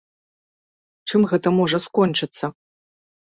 Чым гэта можа скончыцца?